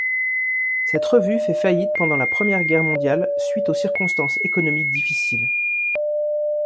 Cette revue fait faillite pendant la Première Guerre mondiale, suite aux circonstances économiques difficiles.